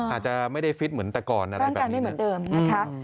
อาจจะไม่ได้ฟิตเหมือนแต่ก่อนอะไรแบบนี้